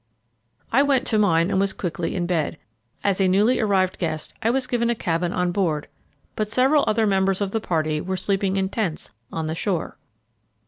I went to mine and was quickly in bed. As a newly arrived guest I was given a cabin on board, but several other members of the party were sleeping in tents on the shore.